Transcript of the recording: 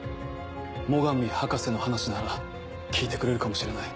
最上博士の話なら聞いてくれるかもしれない。